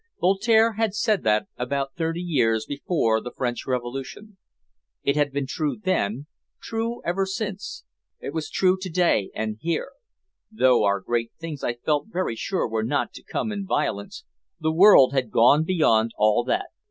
Voltaire had said that about thirty years before the French Revolution. It had been true then, true ever since, it was true to day and here though our great things I felt very sure were not to come in violence the world had gone beyond all that.